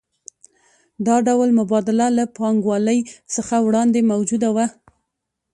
دا ډول مبادله له پانګوالۍ څخه وړاندې موجوده وه